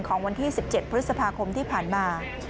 วันที่๑๗พฤษภาคมที่ผ่านมา